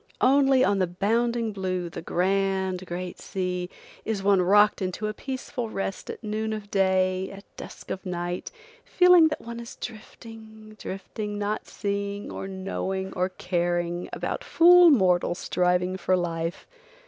Only on the bounding blue, the grand, great sea, is one rocked into a peaceful rest at noon of day, at dusk of night, feeling that one is drifting, drifting, not seeing, or knowing, or caring, about fool mortals striving for life.